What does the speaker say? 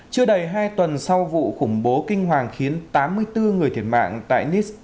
chưa đầy hai tuần sau vụ khủng bố kinh hoàng khiến tám mươi bốn người thiệt mạng tại nissan